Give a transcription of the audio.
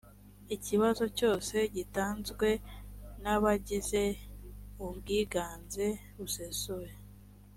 kibazo cyose gitanzwe n abagize ubwiganze busesuye